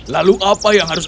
lalu apa yang harus